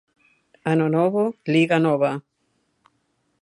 Ano novo, Liga nova.